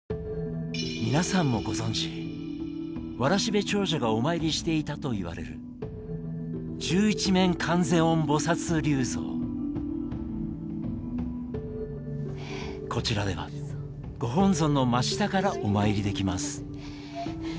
皆さんもご存じわらしべ長者がお参りしていたといわれるこちらではご本尊の真下からお参りできます。